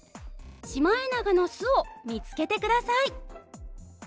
シマエナガの巣を見つけてください。